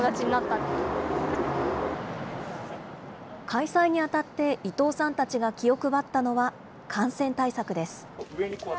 開催にあたって伊東さんたちが気を配ったのは、感染対策です。